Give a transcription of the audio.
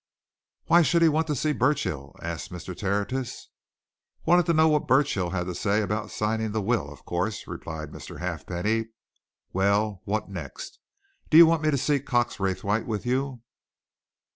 "Why should he want to see Burchill?" asked Mr. Tertius. "Wanted to know what Burchill had to say about signing the will, of course," replied Mr. Halfpenny. "Well what next? Do you want me to see Cox Raythwaite with you?"